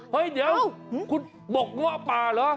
เฮ้ยเดี๋ยวคุณบกงั่วป่าเหรอ